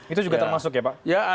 itu juga termasuk ya pak